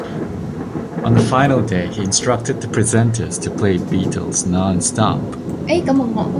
On the final day, he instructed the presenters to play Beatles non-stop.